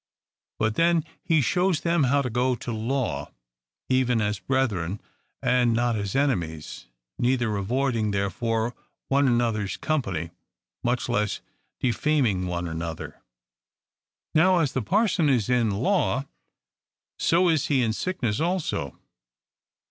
But then he shews them how to go to law, even as brethren, and not as enemies, neither avoiding there fore one another's company, much less defaming one another. Now as the parson is in law, so is he in sickness also.